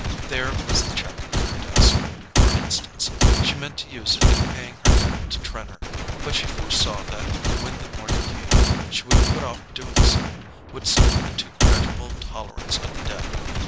There was the cheque in her desk, for instance—she meant to use it in paying her debt to Trenor; but she foresaw that when the morning came she would put off doing so, would slip into gradual tolerance of the debt.